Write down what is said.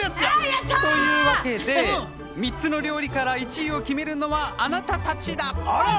やった！というわけで３つの料理から１位を決めるのはあなたたちだ！